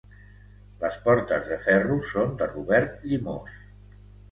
Les portes de ferro són de Robert Llimós.